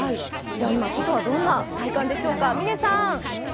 外はどんな体感でしょうか。